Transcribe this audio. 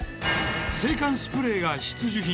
制汗スプレーが必需品。